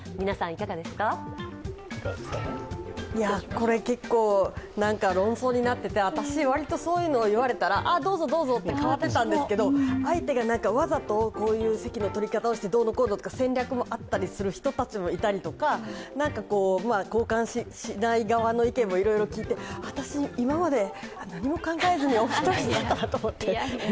これ、なんか論争になっていて私、割とそういうの言われたらどうぞ、どうぞと代わっていたんですけど、相手がわざとこういう席の取り方をしてどうのこうのとか戦略もあったりする人たちもいるとか交換しない側の意見もいろいろ聞いて私、今まで何も考えずにお人好しだわと思って。